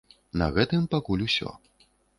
На гэтым пакуль усё.